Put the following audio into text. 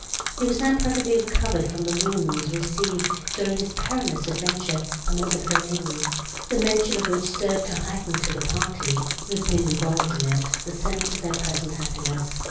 He was now perfectly recovered from the wounds, received, during his perilous adventure among the Pyrenees, the mention of which served to heighten to the parties, who had been involved in it, the sense of their present happiness.